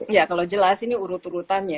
iya kalau jelas ini urut urutannya